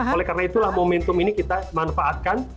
oleh karena itulah momentum ini kita manfaatkan